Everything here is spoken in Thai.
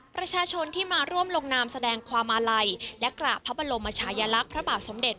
ประชาชนที่มาร่วมลงนามแสดงความอาลัยและกราบพระบรมชายลักษณ์พระบาทสมเด็จ